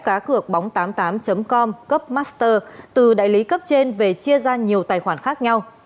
cácượcbóng tám mươi tám com cấp master từ đại lý cấp trên về chia ra nhiều tài khoản khác nhau